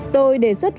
tôi đề xuất việc